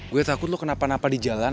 gue takut lo kenapa napa di jalan